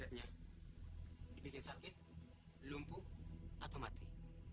sang tetnya dibikin sakit lumpuh atau mati